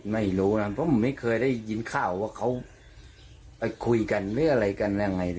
ไม่รู้นะเพราะผมไม่เคยได้ยินข่าวว่าเขาไปคุยกันหรืออะไรกันยังไง